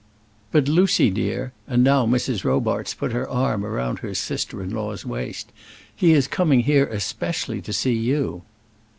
"But, Lucy, dear," and now Mrs. Robarts put her arm round her sister in law's waist, "he is coming here especially to see you."